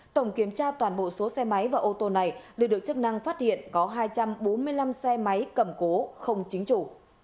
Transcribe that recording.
tổng kiểm tra toàn bộ số xe máy và ô tô này lực lượng chức năng phát hiện có hai trăm bốn mươi năm xe máy cầm cố không chính chủ